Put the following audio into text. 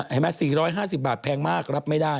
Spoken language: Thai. ๔๕๐บาทแพงมากรับไม่ได้